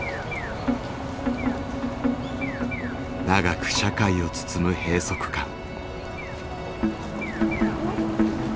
長く社会を包む閉塞感。